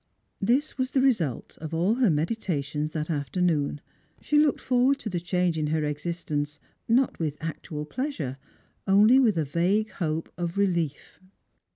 This was the result of all her meditations that afternoon. She looked forward to the change in her existenca not with actual pleasure, only with a vague hope of relief.